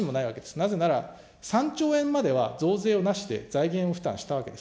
なぜなら３兆円までは増税をなして財源負担したわけです。